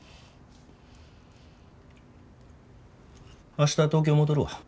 明日東京戻るわ。